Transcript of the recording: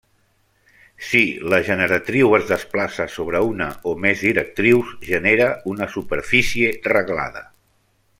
Si la generatriu es desplaça sobre una o més directrius, genera una superfície reglada.